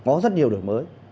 có rất nhiều đổi mới